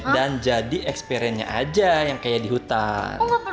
dan jadi eksperiennya aja yang kayak di hutan